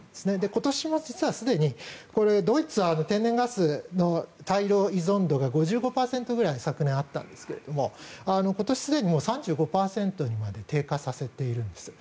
今年も実はすでにドイツは天然ガスの対ロ依存度が５５％ぐらい昨年はあったんですが今年すでに３５％にまで低下させているんですね。